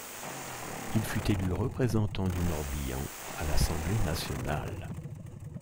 Il fut élu représentant du Morbihan à l'Assemblée nationale.